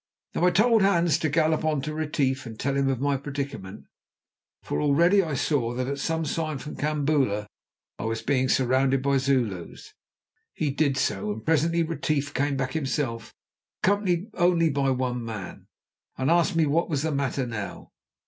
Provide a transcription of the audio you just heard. Now, I told Hans to gallop on to Retief, and tell him of my predicament, for already I saw that at some sign from Kambula I was being surrounded by Zulus. He did so, and presently Retief came back himself accompanied only by one man, and asked me what was the matter now.